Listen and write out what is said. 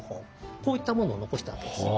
こういったものを残したわけです。